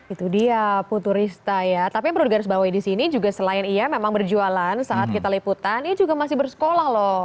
itu dia putu rista ya tapi yang perlu digarisbawahi di sini juga selain ia memang berjualan saat kita liputan ia juga masih bersekolah loh